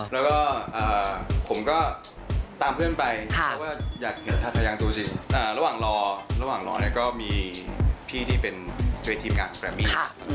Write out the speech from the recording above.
แล้วก็ผมก็ตามเพื่อนไปเพราะว่าอยากเห็นธัทยังตัวจริงระหว่างรอก็มีพี่ที่เป็นเฟย์ทีมงานของแรมมี่